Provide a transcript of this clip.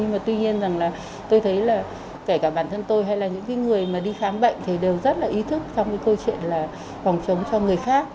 nhưng mà tuy nhiên rằng là tôi thấy là kể cả bản thân tôi hay là những người mà đi khám bệnh thì đều rất là ý thức trong cái câu chuyện là phòng chống cho người khác